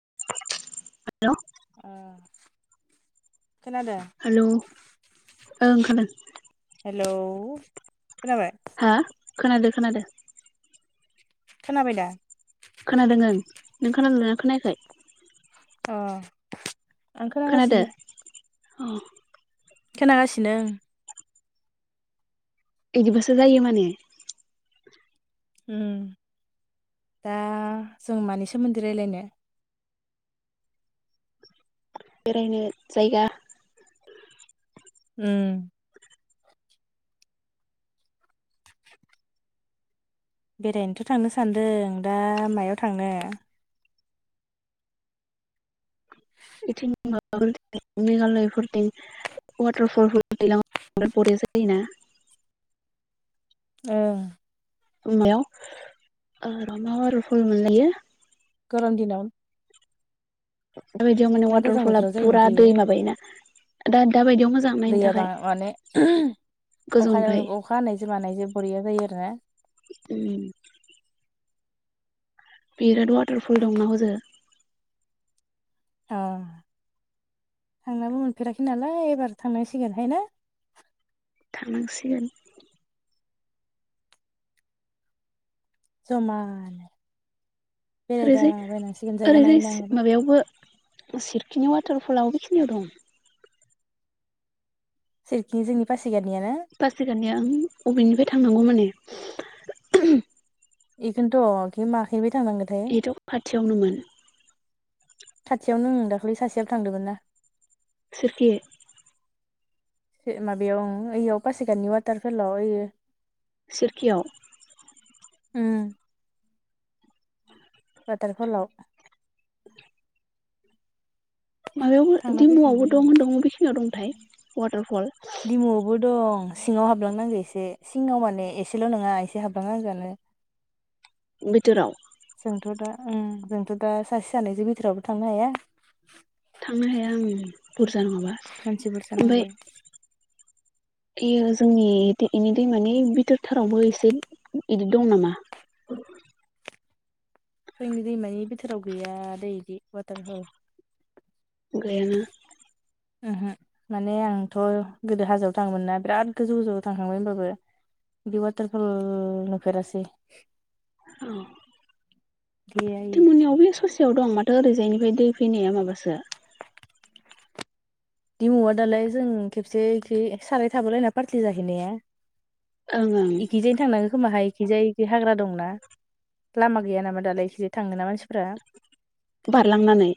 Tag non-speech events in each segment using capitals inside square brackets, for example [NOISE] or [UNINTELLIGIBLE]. [INAUDIBLE] [UNINTELLIGIBLE] ओ हेल ओं खोदों हेल' हा खोनादो खोनादो खोनाबायदा खोनादों ओं नों खोनादोंना खोनायाखै अ आं खोनागासिनो औ खोनागासिनो एदिबाासो जायो माने उम दा जों मानि सोमोन्दै राय्लायनो बेरायनो जायगा उम [INAUDIBLE] [UNINTELLIGIBLE] बेरायनोथ' थांनो सान्दों दा मायाव थांनो [UNINTELLIGIBLE] मेघालयफोरदों [UNINTELLIGIBLE] [INAUDIBLE] ओं उमायाव मा आरो फुल मोनलायो गरम दिनाव [UNINTELLIGIBLE] माने ना गोजां वाटारफला बोथोराव जायोमोन पुरा दै थायो माबायोना दा दाबायदियाव मोजां नायनो दैया थाखाय बां माने अखा गोजौनिफ्राय अखा हानायजों मानायजों [UNINTELLIGIBLE] [INAUDIBLE] [UNINTELLIGIBLE] [INAUDIBLE] बिराद वाटारफल दंना हजो अ थांनाबो मोनफेराखै नालाय एबार थांनांसिगोन हाय ना थांनांसिगोन जमानो बेरायला ओरैजाय बायनांसिगोन जायगा ओरैजाय सि नायनांगोन माबायावबो [UNINTELLIGIBLE] बिनि वाटारफला अबेखिनियाव दं? सोरखिं जोंनि फास पासिगातनिया ओं अबेनिफ्राय थांनांगौ माने? [UNINTELLIGIBLE] इखोन्थ' बियो माखैबा थांनांगोनथाय? बेथ' खाथियावनोमोन खाथियावनो दा। दाख्लै सासेआबो थांदोमोन ना। सोरखि माबायाव ओइआव पासिघाटनि वाटारफलाव ओयो सोरखियाव ओम वाटारफलाव माबायावबो थांना डिमुआवबो दं फैखांबाय होनदों बबेखिनियाव दंथाय [UNINTELLIGIBLE] वाटारफल दिमुआवबो दं। सिङाव हाबलांनांगो एसे सिङाव माने एसेल' नङा एसे हाबलांनांगोआनो। बिथोराव। जोंथ' दा ओं जोंथ' दा सासे सानैजों बिथोरावबो थांनो हाया। थांनो हाया ओं बुरजा नङाबा। मानसि बुरजा ओमफ्राय नांगो एयो जोंनि इनि दैमानि बिथोर थारावबो एसे इदि दं नामा? [INAUDIBLE] जोंनि दैमानि बिथोराव गैयादै इदि वाटारफल। गैयाना? ओहो माने आंथ' गोदो हाजोआव थाङोमोनना बिराद गोजौ गोजौआव थांखांबाय ओमबाबो इदि वाटारफल नुफेरासै। औ गैया इयो। बबेयाव दं माथो ओरैजायनिफाय दै फैनाया माबासो दिमुआव दालाय जों खेबसे ओइखि साराय थाबोलायनाय पार्टि जाहैनाया। ओं ओं इखिजायनो थांनांगो खोमाहाय? इखिजाय इखि हाग्रा दंना लामा गैया नामा दालाय इखिजाय थाङोना मानसिफोरा। बारलांनानै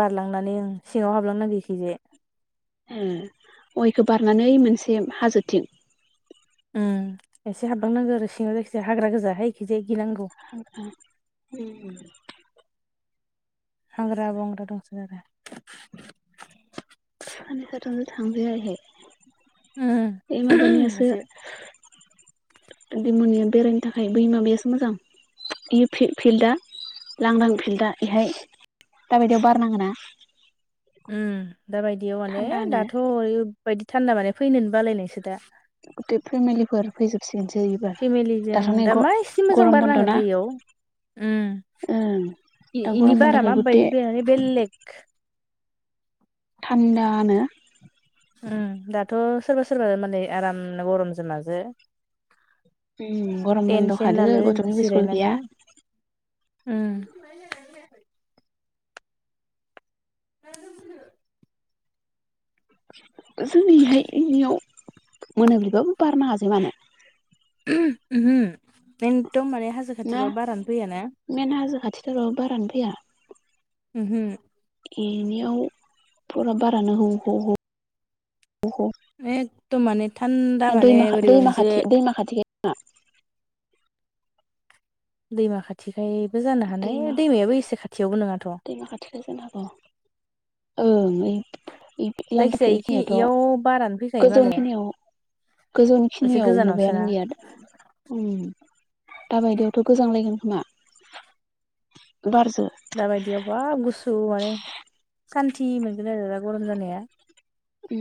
बारलांनानै ओं सिङाव हाबलांनांगो इखिजाय। ए अ' इखो बारनानै ओइ मोनसे हाजोथिं। ओम एसे हाबलांनांगौ आरो सिङाव जायखिजाया हाग्रा गोजाहाय इखिजाय। गिनांगौ [UNINTELLIGIBLE] हाग्रा बंग्रा दंसोगारो। सानै साथामजों थांफेरा इहाय। ओइ उम माबानियासो एसे दिमुगनिया बेरायनो थाखाय बै माबायासो मोजां। इयो फिलड फिल्डआ लांदां फिल्डआ इहाय दाबायदियाव बार नाङोना ओम दाबायदियाव माने थान्दानो दाथ' ओरैबायदि थान्दा माने फैनोनो बालायनायसो दा। गुथै फेमिलिफोर फैजोबसिगोन। फेमिलिजों? दा मा एसे मोजां गरम बन्द' ना बारनाङोथाय इयाव। उम ओं इ दा इनि गरम बारा बन्द'खाय गुथे माबायदि बेलेग। थान्दानो। उ दाथ' सोरबा सोरबा माने आराम गरमजों माजो उम गरम बन्द' टेनसन खादो लालायलायै गथ'निबो स्कुल गैया जिरायनानै उम। [INAUDIBLE] जोंनि इहाय इयाव मोनाब्लिबाबो बार नोङाजे मानो? उ उहो एथम माने हाजो खाथिबाबो बारानो फैयाना। खाथिबाबो बारानो फैया। ह हो। बेनियाव फरा बारानो ह ह ह। उह एकदम माने थान्दा दै माने मा बोरैबा दैमा मोनसे खाथि दैमा खाथिखाय। दा। दैमा खाथिखायबो जानो दैमा हानाय दैमायाबो एसे खाथ दैमा खाथिखाय जानो हागौ ओं ओइ। इ लांथा जायखिजाया फ इखि इयाव गैयाथ'। बारानो फैखायो मालाय गोजौनिखिनियाव एसे गोजौनिखिनियाव गोजानावसोना माबायानो गैया दा उ। दाबायदियावथ' गोजांलायगोन खोमा। बारजो दाबायदियाव बाब गुसु माने सान्थि मोनगोन आरो दा गरम जानाया। उ।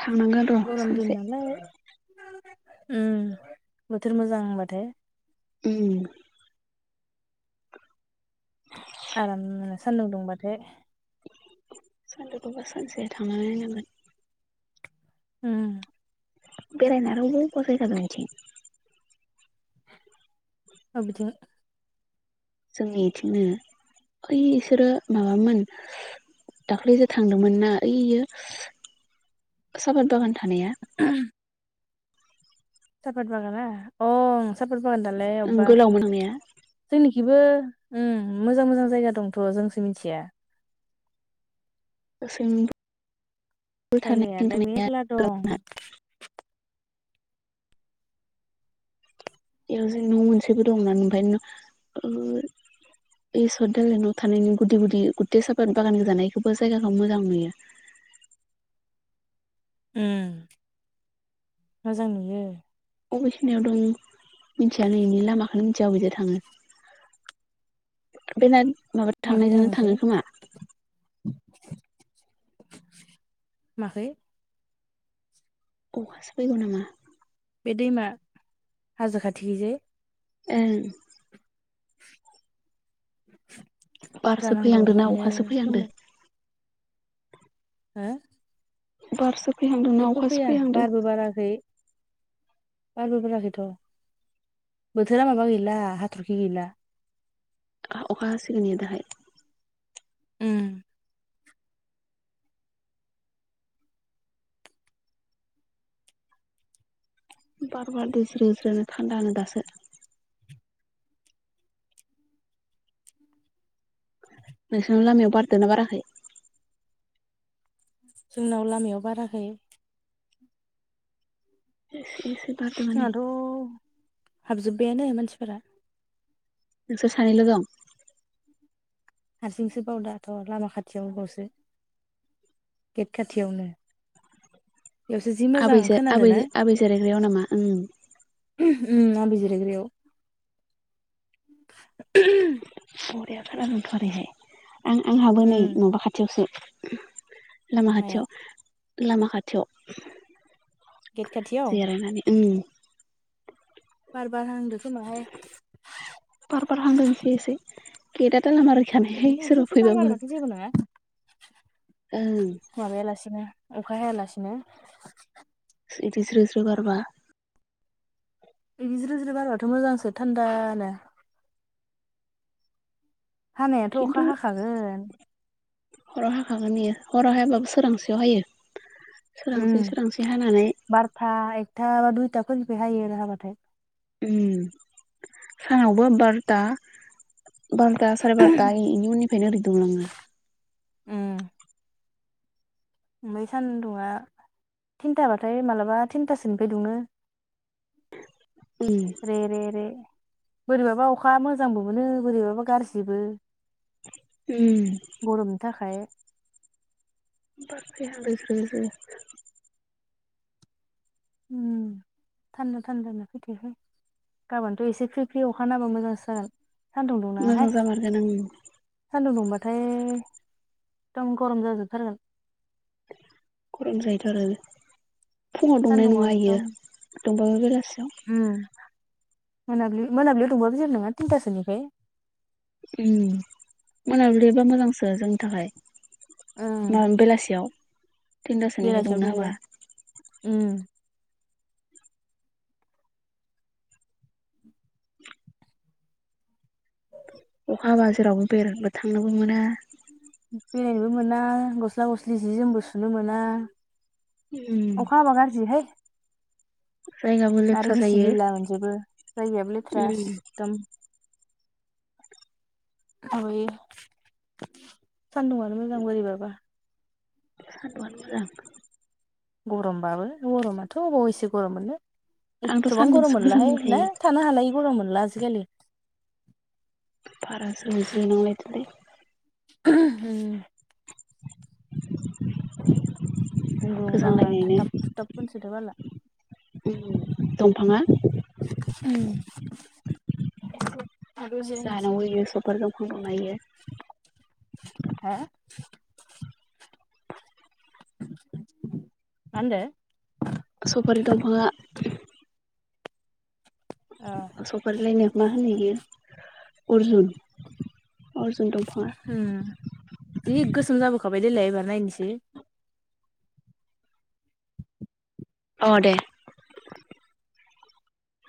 थांनांगोन र' गरम सानसे दिननालाय। उ बोथोर मोजां होनबाथाय। उ। आराम सान्दुं दुंबाथाय। सानदौखौबा सानसे थांना नायनांगोन‌। उम। बेरायनाय आरो बसायसासै बिथि। आबेथिं? जोंनि बिथिंनो ओइ इसोरो माबामोन। दाख्लैसो थांदोंमोन ना ओइयो सापत बागान थानाया। [INAUDIBLE] सापात बागाना अ सापात बागान दानलायनाय ओं अबबा गोलावमोन थांनाया जोंनि बिबो उ मोजां मोजां जायगा दंथ' जोंसो मिथिया। फिसिम फि जायगायालाय थानाया मेरला दं फि बेयाव जे न' मोनसेबो दं न ओमाय न‌ ओ बे सर दालनाव थानायनि गुदि गुदि गुथै साफा बागान जानायखौबो जायगाखौ मोजां नुयो। [INAUDIBLE] उ मोजां नुयो। अबेखिनियाव दं मिथियानो इनि लामाखोनो मिथिया अबेजों थाङो। बेनाद माबा माखै थांनायजोंनो थाङोथाय थाङो खोमा। माखै। अखासो फैगौ नामा? बे दैमा हाजो खाथिखैजाय। ओं। बारसो जानांगौ फैहांदोंना इखिनो अखासो फैहांदो समाव। हो। बारस। जेबो फैया बारबो बाराखै बारबो बाराखैथ'। बोथोरा माबा गैला हाथरखि गैला। अखा हासोगोन दाहाय। उम। बार बार दैज्रोज्रो थान्दानो दासो। नोंसोरनि लामायाव बारदा बाराखै? जोंनाव लामायाव बाराखै। [UNINTELLIGIBLE] जोंहथ' हाबजोब्बायानो मानसिफोरा। द सानैल दं। हारसिंसो बाव दाथ' लामा खाथियावनो बावसो। गेट खाथियावनो। बेयावसो जि मोजां आबैजो आबै खोनादोंा आबै जिरायग्रायाव नामा ओं उ आ बिजिरगयाव। बररायथ आ फरैहाय आं आंहाबो उम नै नबा खाथियावसो। लामा खाथियाव मायाव लामा खाथियाव। गेट खाथियाव जार नानि उ बार बार हांदों। बार बार हांांगससै गदा [UNINTELLIGIBLE] से बार बारबाथ जेबो नंआ ओं माबायालासिनो अखा हायालासिनो बिदिस्रिस्रि गबा बिजिरो जिर बाराथ' मोजांसो थान्दानो। हानायाथ' खिन्थु अखा हाखागोन। हराव हाखागोन बेयो हराव हायाबाबो सोरांसेयाव हायो। उम सोरांसै सोरांसै हानानै आथा बा दुइथा खनि हायो आरो हाबाथाय। उ सानावबो बारथा बार'था साराय बार'था इनि उननिफ्रायनो ओरै दं आङो। ओम ओमफ्राय सानदुंङआ थिनथाबाथाय मालाबा थिनथासोनिफ्राय दुंनो। ओम रे रे रे बोरैबाबा अखा मोजांबो मोनो बोरैबाबा गाज्रिबो। ओम गरमनि थाखाय बाथै हलि सैसै उम थान्दनो थान्दनो फैथो फै गाबोनथ' एसे फ्रि फ्रि अखा नाबा मोजांसो जागोन। सान्दुं दुंनाङाहाय मोजां जामारगोन ओं सान्दुं दुंबाथाय दम गरम जाजोम थारगोन। गरम जायोथ' आरो फुङाव दंनाय सान्दुंआव नङा बियो एकदम दंबाबो बेलासि। [UNINTELLIGIBLE] मोनाबलि मोनाब्लियाव दंबाबो जिर नङा थिनथासोनिफ्राय। मोनाबिलिबा मोजांसो जोंनि थाखाय। ओं म बेलासियाव थिनथासोनिफ्राय बेलासियाव दंना हाबा दंबा अखा हाबा जेरावबो बेरायबो थांनोबो मोना। बेरायनोबो मोना गस्ला गस्लि जि जोमबो सुनो मोना। उम अखा हाबा गारजि हाय। जायगाबो आरो लेथ्रा गिसि जायो गिला मोनजोबो जायगायाबो लेथ्राास उम एकदम। [UNINTELLIGIBLE] [UNINTELLIGIBLE] गरमबाबो गरमाथ' अबाव एसे गरम मोननो। आंथ' एथ'बां गरम सान्दुंसो मोजां मोनलाहाय ना मोनखायो थानो हालायि गरम मोनला आजिखालि। बारा ज्रो ज्रो नांलायदोंलै [UNINTELLIGIBLE] [INAUDIBLE] गुंग्रुं गांग्रां गोजांलायनायनो थाथाब थुथाब होनसोदों बाला दंफाङा उम जाहानाव ओइयो सफारि दंफां दंना ओइयो। हा? मा होनदो? सफारि दंफाङा अ सफारिलायनो मा होनो इयो अर्जुन अर्जुन दंफाङा होम जि गोसोम जाबोखाबाय देलाय एबार नायनोसै अ दे